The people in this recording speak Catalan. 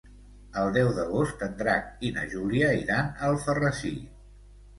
El deu d'agost en Drac i na Júlia iran a Alfarrasí.